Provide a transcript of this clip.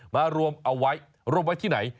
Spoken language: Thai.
มารวมเอาไว้รวมไว้ที่ไหน